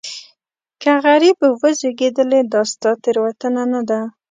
که غریب وزېږېدلې دا ستا تېروتنه نه ده.